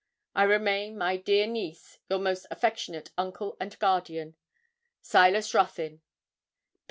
'I remain, my dear niece, your most affectionate uncle and guardian, SILAS RUTHYN.'